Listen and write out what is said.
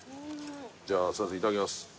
じゃあいただきます。